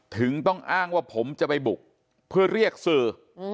ถึงต้องอ้างว่าผมจะไปบุกเพื่อเรียกสื่อ